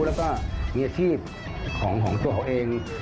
แล้วก็มีอาชีพของตัวเขาเอง